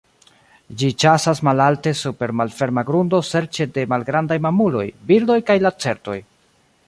Ĝi ĉasas malalte super malferma grundo serĉe de malgrandaj mamuloj, birdoj kaj lacertoj.